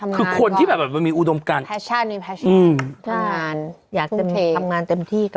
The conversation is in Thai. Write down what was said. คือคนที่แบบมีอุดมกันแฟชั่นอยากทำงานเต็มที่ก่อน